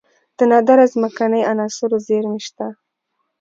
د نادره ځمکنۍ عناصرو زیرمې شته